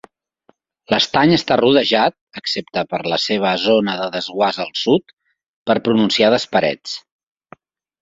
L'estany està rodejat, excepte per la seva zona de desguàs al sud, per pronunciades parets.